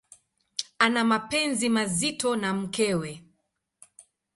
Ana mapenzi mazito na mkewe.